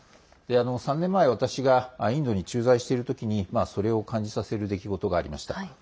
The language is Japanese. ３年前私がインドに駐在している時にそれを感じさせる出来事がありました。